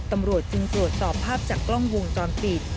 ตำรวจจึงตรวจสอบภาพจากกล้องวงจรปิด